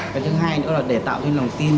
cái thứ hai nữa là để tạo thêm lòng tin